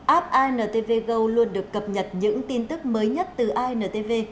app antv go luôn được cập nhật những tin tức mới nhất từ antv